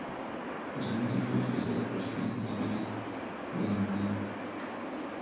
Posteriormente fue utilizado por las oficinas del Diario de la Marina.